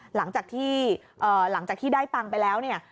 หลังจากที่หลังจากที่ได้ตังค์ไปแล้วเนี่ย